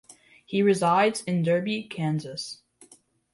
He resides in Derby, Kansas.